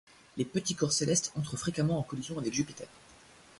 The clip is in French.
Les petits corps célestes entrent fréquemment en collision avec Jupiter.